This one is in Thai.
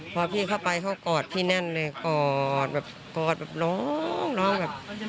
พอพี่เข้าไปเขากอดพี่แน่นเลยกอดแบบกอดแบบน้องน้องแบบ